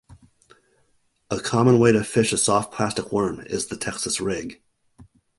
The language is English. A common way to fish a soft plastic worm is the Texas Rig.